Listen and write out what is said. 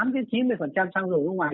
tám chín mươi thăng dầu ở ngoài